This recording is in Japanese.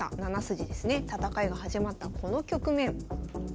戦いが始まったこの局面。